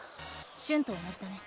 瞬と同じだね。